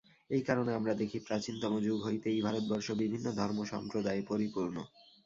এই কারণে আমরা দেখি, প্রাচীনতম যুগ হইতেই ভারতবর্ষ বিভিন্ন ধর্ম-সম্প্রদায়ে পরিপূর্ণ।